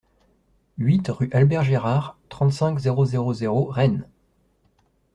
huit rue Albert Gérard, trente-cinq, zéro zéro zéro, Rennes